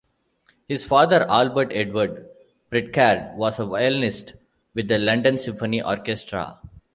His father, Albert Edward Pritchard, was a violinist with the London Symphony Orchestra.